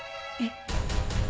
えっ？